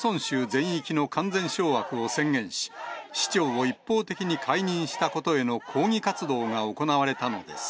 全域の完全掌握を宣言し、市長を一方的に解任したことへの抗議活動が行われたのです。